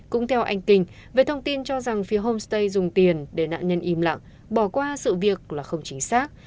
cũng theo anh kinh về thông tin cho rằng phía homestay dùng tiền để nạn nhân im lặng bỏ qua sự việc là không chính xác